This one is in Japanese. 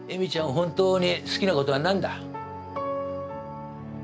本当に好きな事は何だ？